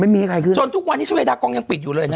ไม่มีใครขึ้นจนทุกวันนี้ชาเวดากองยังปิดอยู่เลยนะ